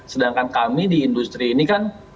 sedangkan kami di industri ini kan